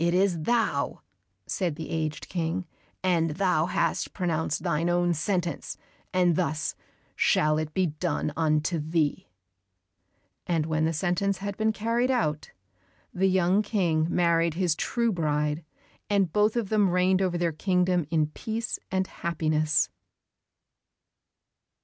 "It is thou," said the aged King, "and thou hast pronounced thine own sentence, and thus shall it be done unto thee." And when the sentence had been carried out, the young King married his true bride, and both of them reigned over their kingdom in peace and happiness.